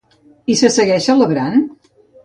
I se segueix celebrant?